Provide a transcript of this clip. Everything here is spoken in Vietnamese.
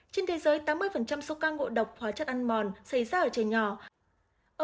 trên thế giới tám mươi số ca ngộ độc hóa chất ăn mòn xảy ra ở trẻ nhỏ